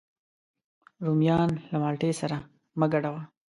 رومیان له مالټې سره مه ګډوه